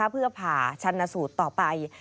เพื่อผ่าชันสูตรต่อไป